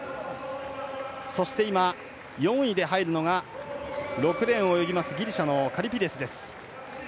そして、４位で入るのが６レーンのギリシャのカリピディスです。